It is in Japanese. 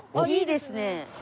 いいですね！